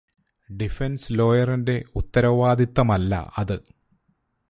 Defence ലോയറിന്റെ ഉത്തരവാദിത്തമല്ല അത്.